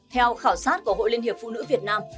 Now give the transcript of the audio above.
theo khảo sát của hội liên hiệp phụ nữ việt nam